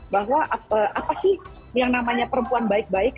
bahwa apa sih yang namanya perempuan baik baik